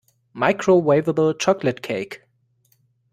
Microwaveable chocolate cake